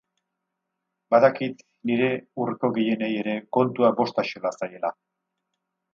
Badakit nire hurko gehienei ere kontua bost axola zaiela.